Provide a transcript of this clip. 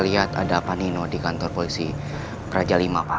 lihat ada apa nino di kantor polisi praja lima pak